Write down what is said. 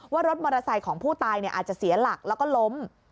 ว่ารถมอเตอร์ไซค์ของผู้ตายอาจจะเสียหลักแล้วก็ล้ม